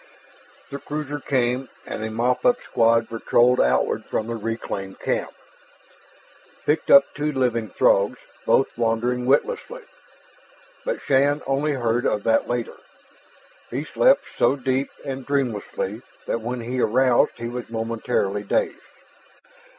The cruiser came. And a mop up squad patrolled outward from the reclaimed camp, picked up two living Throgs, both wandering witlessly. But Shann only heard of that later. He slept, so deep and dreamlessly that when he roused he was momentarily dazed.